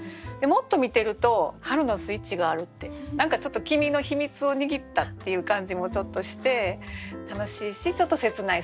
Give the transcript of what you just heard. もっと見てると「春のスイッチがある」って何かちょっと君の秘密を握ったっていう感じもちょっとして楽しいしちょっと切ない。